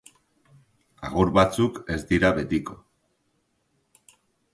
Agur batzuk ez dira betiko.